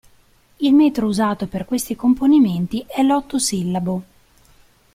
Il metro usato per questi componimenti è l'ottosillabo.